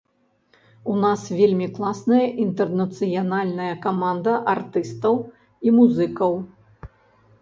У нас вельмі класная інтэрнацыянальная каманда артыстаў і музыкаў.